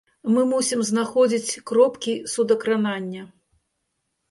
Мы мусім знаходзіць кропкі судакранання.